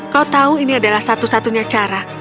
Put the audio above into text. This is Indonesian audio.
kau tahu ini adalah satu satunya cara